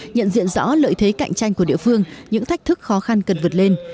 nhận diện rõ lợi thế cạnh tranh của địa phương những thách thức khó khăn cần vượt lên